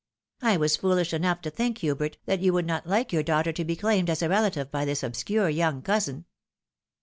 I was foolish enough to think, Hubert, that you would not like your daughter to be claimed as a relative by this obscure young cousin."